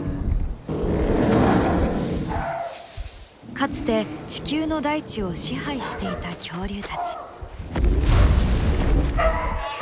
かつて地球の大地を支配していた恐竜たち。